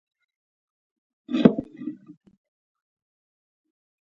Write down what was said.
انګلیسي د انسان شخصیت قوي کوي